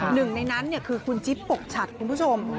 หนึ่งในนั้นคือคุณจิ๊บปกฉัดคุณผู้ชม